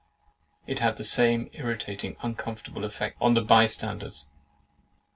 It had the same irritating, uncomfortable effect on the bye standers.